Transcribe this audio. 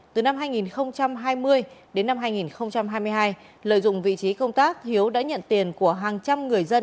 từ năm hai nghìn hai mươi đến năm hai nghìn hai mươi hai lợi dụng vị trí công tác hiếu đã nhận tiền của hàng trăm người dân